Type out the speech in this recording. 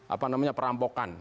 apa namanya perampokan